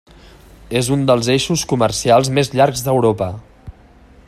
És un dels eixos comercials més llargs d'Europa.